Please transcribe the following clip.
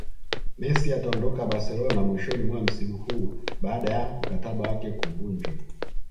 Messi ataondoka Barcelona mwishoni mwa msimu huu baada ya mkataba wake kuvunjwa